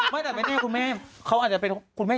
ไม่แต่ไม่แน่คุณแม่เขาอาจจะเป็นคุณแม่